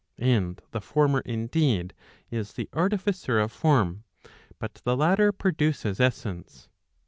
And the former indeed, is the artificer of form, but the latter produces essence.